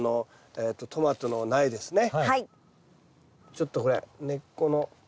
ちょっとこれ根っこの。